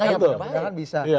jalan tengah itu